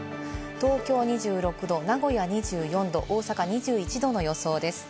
東京は２６度、名古屋２４度、大阪は２１度の予想です。